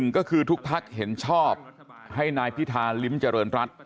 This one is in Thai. ๑ก็คือทุกท่ักเห็นชอบให้นายพิทาริมเจริญรัฐ